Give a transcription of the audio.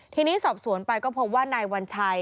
ทีนี้สอบสวนไปก็พบว่านายวัญชัย